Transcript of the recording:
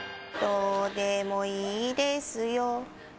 「どでもいいですよ」